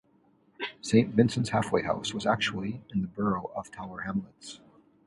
'Saint Vincents Halfway House' was actually in the borough of Tower Hamlets.